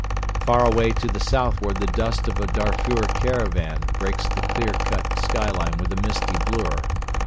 Far away to the southward the dust of a Darfur caravan breaks the clear cut skyline with a misty blur.